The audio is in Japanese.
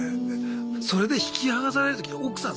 それで引き離される時奥さん